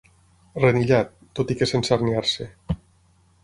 Renillat, tot i que sense herniar-se.